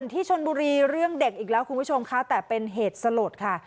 ที่ชนบุรีเรื่องเด็กอีกแล้วคุณผู้ชมค่ะแต่เป็นเหตุสลดค่ะ